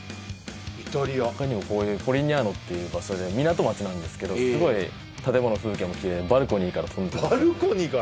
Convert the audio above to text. イタリアほかにもこういうポリニャーノっていう場所で港町なんですけどすごい建物風景もキレイバルコニーから？